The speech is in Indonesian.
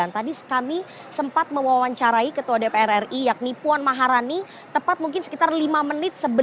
tadi kami sempat mewawancarai ketua dpr ri yakni puan maharani tepat mungkin sekitar lima menit